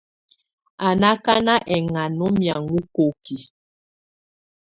Á ná ákána ɛŋana ú miaŋɔ kokiǝ.